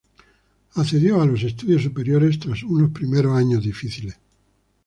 Accedió a los estudios superiores tras unos primeros años difíciles.